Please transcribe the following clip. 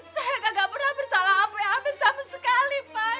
saya kagak pernah bersalah amin amin sama sekali pak